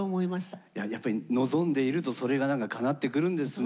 やっぱり望んでいるとそれがなんかかなってくるんですね。